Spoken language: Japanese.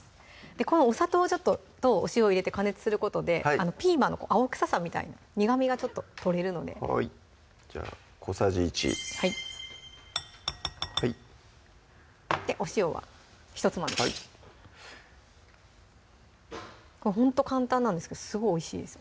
このお砂糖ちょっととお塩を入れて加熱することでピーマンの青臭さみたいな苦みがちょっと取れるのでじゃあ小さじ１はいでお塩はひとつまみはいほんと簡単なんですけどすごいおいしいです